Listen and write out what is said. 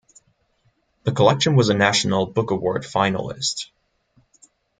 The collection was a National Book Award finalist.